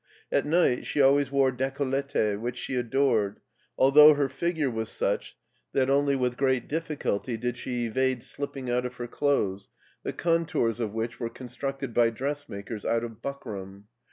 At night she always wore decollete^ which she adored, although her figure was such that only with great 169 170 MARTIN SCHULER difficulty did she evade slipping out of her clothes, the ccHitours of which were constructed by dressmakers out of buckram.